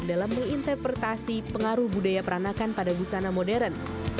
dalam menginterpretasi pengaruh budaya peranakan pada busana modern